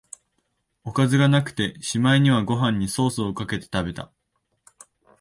おかずがなくて、しまいにはご飯にソースかけて食べた